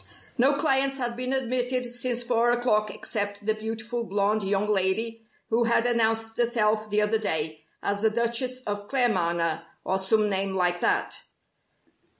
No clients had been admitted since four o'clock except the beautiful blonde young lady who had announced herself the other day as the Duchess of Claremanagh or some name like that.